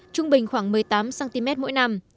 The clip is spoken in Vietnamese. trung bình khoảng một mươi tám cm mỗi năm